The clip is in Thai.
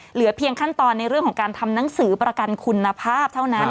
เหลือเพียงขั้นตอนในเรื่องของการทำหนังสือประกันคุณภาพเท่านั้น